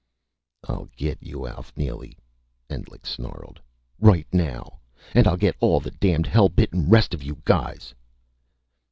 "I'll get you, Alf Neely!" Endlich snarled. "Right now! And I'll get all the damned, hell bitten rest of you guys!"